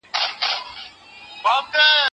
که علم وي نو کیسه نه وي.